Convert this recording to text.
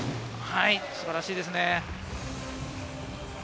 素晴らしいですね。